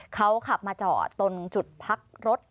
เขาขับมาจอดตรงจุดพักรถ